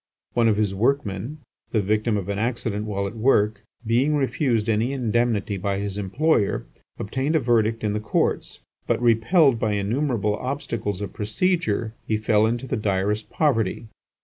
One of his workmen, the victim of an accident while at work, being refused any indemnity by his employer, obtained a verdict in the courts, but repelled by innumerable obstacles of procedure, he fell into the direst poverty.